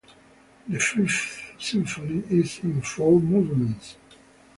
The Fifth Symphony is in four movements.